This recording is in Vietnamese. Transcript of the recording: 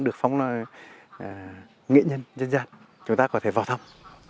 được phóng là nghệ nhân dân dân chúng ta có thể vào thăm